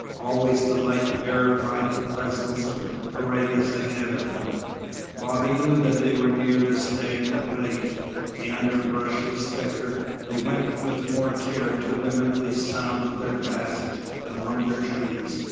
Always the light verified the presence of Paredes ahead of them. Bobby knew they were near the stagnant lake. The underbrush was thicker. They went with more care to limit the sound of their passage among the trees.